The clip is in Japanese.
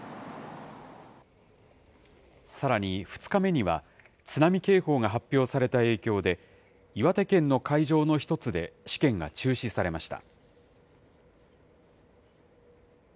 さらに２日目には、津波警報が発表された影響で、岩手県の会場の一つで試験が中止されました。